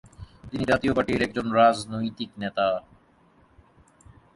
তিনি জাতীয় পার্টি’র একজন রাজনৈতিক নেতা।